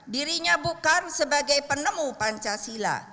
dirinya bukan sebagai penemu pancasila